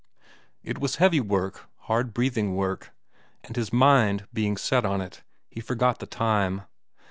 It was heavy work, hard breathing work, and his mind being set on it, he forgot the time.